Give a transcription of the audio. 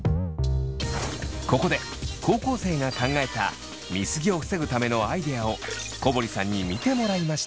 ここで高校生が考えた見過ぎを防ぐためのアイデアを小堀さんに見てもらいました。